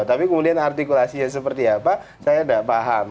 tapi kemudian artikulasinya seperti apa saya tidak paham